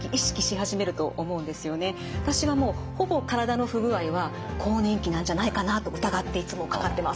私はもうほぼ体の不具合は更年期なんじゃないかなと疑っていつもかかってます。